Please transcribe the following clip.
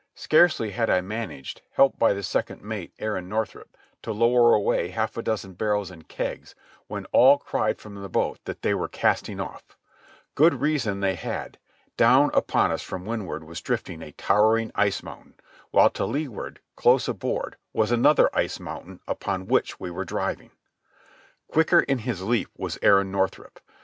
Scarcely had I managed, helped by the second mate, Aaron Northrup, to lower away half a dozen barrels and kegs, when all cried from the boat that they were casting off. Good reason they had. Down upon us from windward was drifting a towering ice mountain, while to leeward, close aboard, was another ice mountain upon which we were driving. Quicker in his leap was Aaron Northrup.